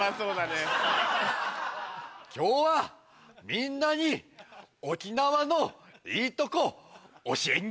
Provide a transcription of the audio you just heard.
今日はみんなに沖縄のいいとこ教えに来たさ。